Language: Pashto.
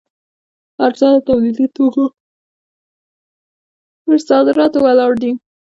ارزانه تولیدي توکو پر صادراتو ولاړ دی.